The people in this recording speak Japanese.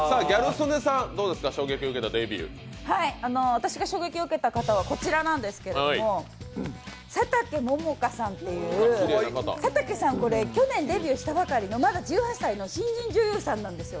私が衝撃を受けた方は佐竹桃華さんという佐竹さん、去年デビューしたばかりのまだ１８歳の新人女優さんなんですよ。